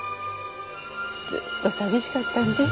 ずっと寂しかったんべぇ。